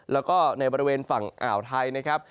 แล้วก็ในบริเวณฝั่งอ่าวไทยนะครับ